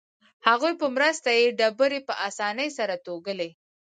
هغوی په مرسته یې ډبرې په اسانۍ سره توږلې.